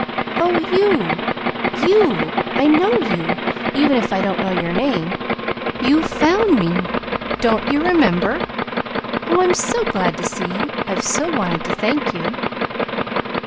"Oh, you you! I know you even if I don't know your name. You found me! Don't you remember? Oh, I'm so glad to see you! I've so wanted to say thank you!"